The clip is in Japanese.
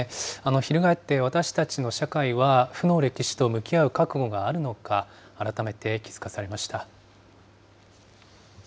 翻って、私たちの社会は、負の歴史と向き合う覚悟があるのか、改めて気づかされました。